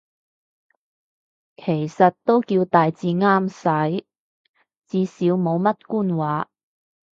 其實都叫大致啱使，至少冇乜官話